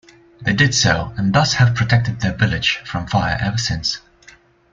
They did so, and thus have protected their village from fire ever since.